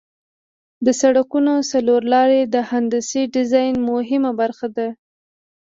د سرکونو څلور لارې د هندسي ډیزاین مهمه برخه ده